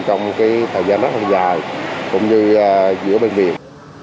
trong thời gian rất là dài cũng như giữa bệnh viện